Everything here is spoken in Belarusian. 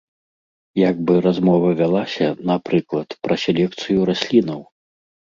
Як бы размова вялася, напрыклад, пра селекцыю раслінаў.